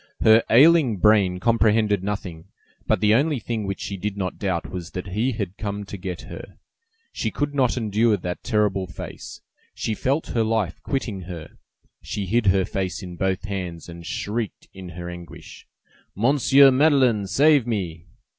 Her ailing brain comprehended nothing, but the only thing which she did not doubt was that he had come to get her. She could not endure that terrible face; she felt her life quitting her; she hid her face in both hands, and shrieked in her anguish:— "Monsieur Madeleine, save me!"